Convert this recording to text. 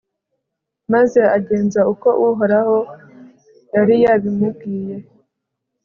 maze agenza uko uhoraho yari yabimubwiye